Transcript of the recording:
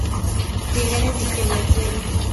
I edición del premio.